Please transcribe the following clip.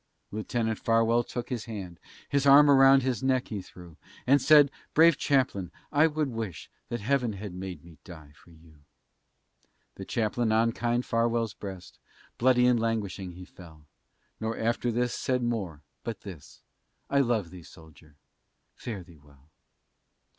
Lieutenant Farwell took his hand, His arm around his neck he threw, And said, brave Chaplain, I could wish, That heaven had made me die for you. The Chaplain on kind Farwell's breast, Bloody and languishing he fell; Nor after this said more, but this, "I love thee, soldier, fare thee well."